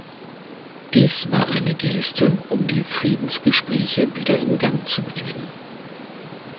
Dies war eine Geste, um die Friedensgespräche wieder in Gang zu bringen.